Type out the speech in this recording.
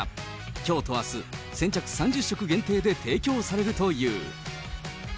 きょうとあす、先着３０食限定で提供されるという。